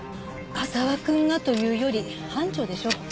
浅輪くんがというより班長でしょう。